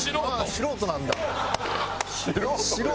素人なんだ。